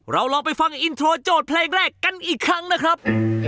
เราลองไปฟังอินโทรโจทย์เพลงแรกกันอีกครั้งนะครับ